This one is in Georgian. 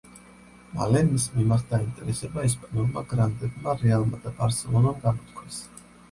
მალე მის მიმართ დაინტერესება ესპანურმა გრანდებმა „რეალმა“ და „ბარსელონამ“ გამოთქვეს.